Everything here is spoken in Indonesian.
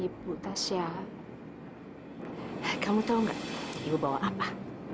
ibu tasya eh kamu tahu nggak ibu bawa apa